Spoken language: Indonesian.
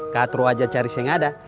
katro aja cari siang ada